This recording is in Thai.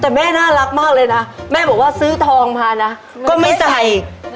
แต่แม่น่ารักมากเลยนะแม่บอกว่าซื้อทองมานะก็ไม่ใส่